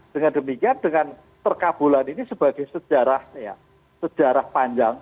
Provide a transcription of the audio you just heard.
dengan demikian dengan terkabulan ini sebagai sejarah panjang